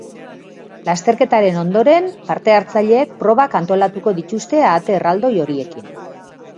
Lasterketaren ondoren, parte-hartzaileek probak antolatuko dituzte ahate erraldoi horiekin.